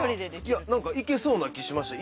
何かいけそうな気しました。